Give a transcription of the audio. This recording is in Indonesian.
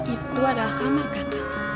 aku ada kamar kakak